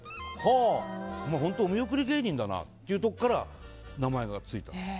お前、本当お見送り芸人だなっていうところから名前がついたっていう。